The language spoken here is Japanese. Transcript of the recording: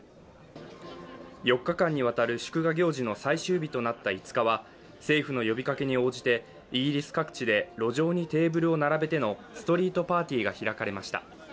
４日間にわたる祝賀行事の最終日となった５日は政府の呼びかけに応じて、イギリス各地で路上にテーブルを並べてのストリートパーティーが開かれました。